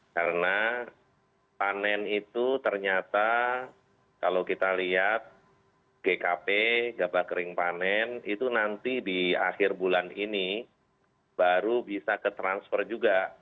karena panen itu ternyata kalau kita lihat gkp gapak kering panen itu nanti di akhir bulan ini baru bisa ketransfer juga